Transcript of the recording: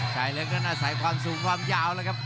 ชายเล็กก็น่าใสมกว่ามสูงความยาวนะครับ